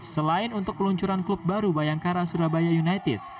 selain untuk peluncuran klub baru bayangkara surabaya united